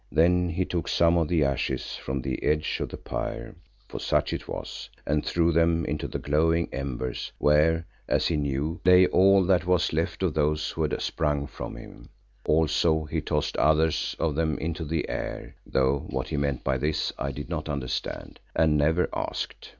Then he took some of the ashes from the edge of the pyre—for such it was—and threw them into the glowing embers where, as he knew, lay all that was left of those who had sprung from him. Also he tossed others of them into the air, though what he meant by this I did not understand and never asked.